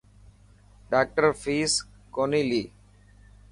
ڊاڪٽر فيس ڪوني.